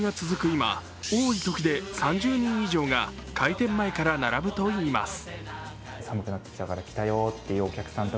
今、多いときで３０人以上が開店前から並ぶといいます。